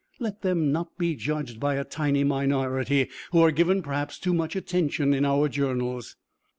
Let them not be judged by a tiny minority, who are given, perhaps, too much attention in our journals.